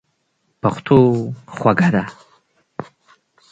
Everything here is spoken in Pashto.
پښتو خوږه ده.